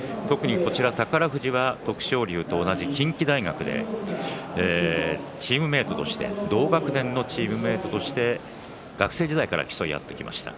宝富士は徳勝龍と同じ近畿大学で同学年のチームメートとして学生時代から競い合ってきました。